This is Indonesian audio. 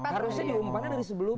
harusnya diumpannya dari sebelumnya